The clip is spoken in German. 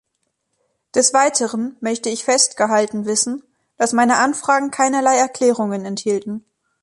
Des Weiteren möchte ich festgehalten wissen, dass meine Anfragen keinerlei Erklärungen enthielten.